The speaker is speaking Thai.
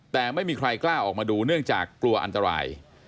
แต่ไม่มีใครกล้าออกมาดูเนื่องจากกลัวอันตราย